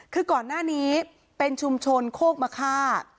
คือก่อนหน้านี้เป็นชุมชนโคกมะค่า